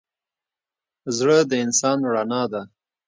زړه د انسان رڼا ده.